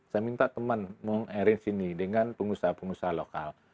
saya minta teman meng arrange ini dengan pengusaha pengusaha lokal